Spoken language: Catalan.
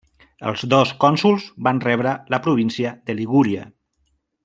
Els dos cònsols van rebre la província de Ligúria.